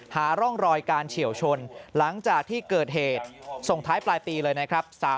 หาร่องรอยการเฉียวชนหลังจากที่เกิดเหตุส่งท้ายปลายปีเลยนะครับ